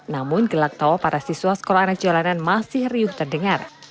namun gelak tawa para siswa sekolah anak jalanan masih riuh terdengar